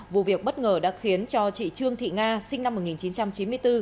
vụ việc bất ngờ đã khiến cho chị trương thị nga sinh năm một nghìn chín trăm chín mươi bốn